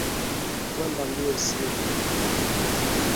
Kwenda mbio siyo kufika